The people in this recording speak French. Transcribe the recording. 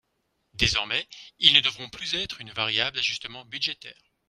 Désormais, ils ne devront plus être une variable d’ajustement budgétaire.